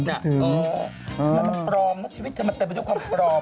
มันตำแหน่งความพร้อม